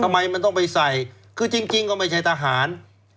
ทำไมมันต้องไปใส่คือจริงก็ไม่ใช่ทหาร